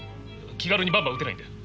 気軽にバンバン撃てないんだよ。